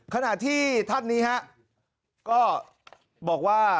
ขณะที่ท่านนี้ฮะก็บอกว่า